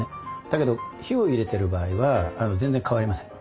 だけど火を入れてる場合は全然変わりません。